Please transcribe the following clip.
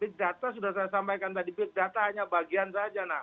bidata sudah saya sampaikan tadi bidata hanya bagian saja